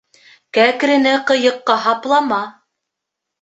Кәкрене ҡыйыҡҡа һаплама.